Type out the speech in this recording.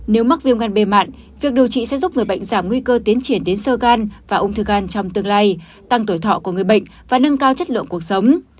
nếu mắc viêm gan b mạng việc điều trị sẽ giúp người bệnh giảm nguy cơ tiến triển đến sơ gan và ung thư gan trong tương lai tăng tuổi thọ của người bệnh và nâng cao chất lượng cuộc sống